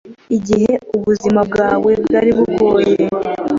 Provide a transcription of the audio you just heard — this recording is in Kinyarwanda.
Igihe ubuzima bwe bwari bugoye